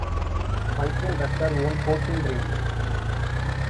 Michael Rutter won fourteen races.